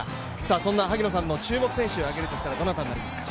そんな萩野さんの注目選手、挙げるとしたらどなたですか？